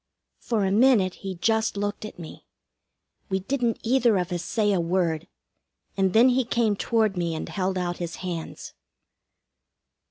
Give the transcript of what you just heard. For a minute he just looked at me. We didn't either of us say a word, and then he came toward me and held out his hands.